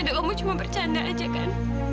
dok kamu cuma bercanda aja kan